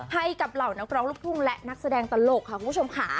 เหล่านักร้องลูกทุ่งและนักแสดงตลกค่ะคุณผู้ชมค่ะ